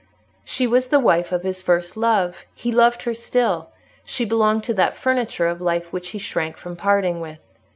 She was the wife of his first love—he loved her still; she belonged to that furniture of life which he shrank from parting with.